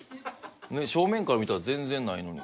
正面から見たら全然ないのに。